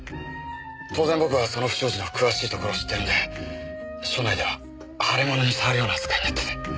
当然僕はその不祥事の詳しいところを知ってるんで署内では腫れ物に触るような扱いになってて。